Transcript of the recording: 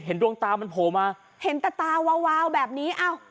ดวงตามันโผล่มาเห็นแต่ตาวาวแบบนี้อ้าว